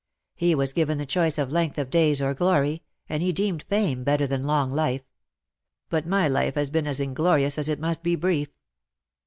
He was given the choice of length of days or glory, and he deemed fame better than long life. But my life has been as inglorious as it must be brief.